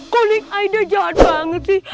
kok neng aida jahat banget sih